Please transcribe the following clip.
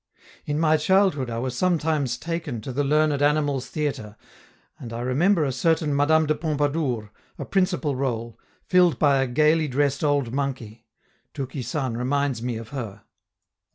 In my childhood I was sometimes taken to the Learned Animals Theatre, and I remember a certain Madame de Pompadour, a principal role, filled by a gayly dressed old monkey; Touki San reminds me of her.